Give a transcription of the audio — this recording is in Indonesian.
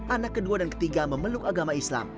anak kedua dan ketiga memeluk agama islam